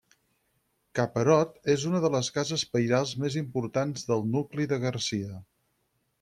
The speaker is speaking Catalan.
Ca Perot és una de les cases pairals més importants del nucli de Garcia.